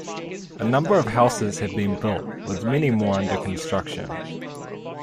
A number of houses have been built with many more under construction.